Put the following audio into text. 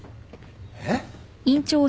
えっ？